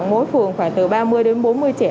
mỗi phường khoảng từ ba mươi đến bốn mươi trẻ